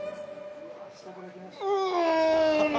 うん！